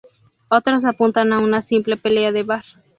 Otros apuntan a una simple pelea de bar.